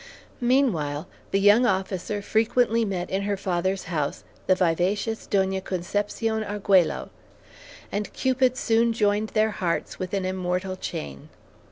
Meanwhile, the young officer frequently met in her father's house the vivacious Doña Concepcion Arguello, and Cupid soon joined their hearts with an immortal chain.